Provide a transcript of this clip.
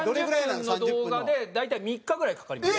３０分の動画で大体３日ぐらいかかります。